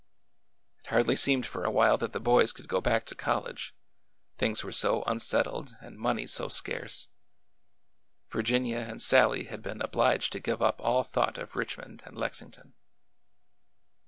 It hardly seemed for a while that the boys could go back to college— things were so unsettled and money so scarce. Virginia and Sallie had been obliged to give up all thought of Richmond and Lexington.